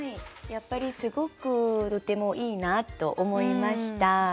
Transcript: やっぱりすごくとてもいいなと思いました。